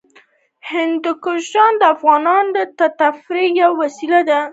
هندوکش د افغانانو د تفریح یوه وسیله ده.